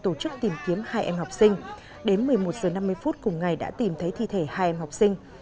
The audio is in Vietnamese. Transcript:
tổ chức tìm kiếm hai em học sinh đến một mươi một h năm mươi phút cùng ngày đã tìm thấy thi thể hai em học sinh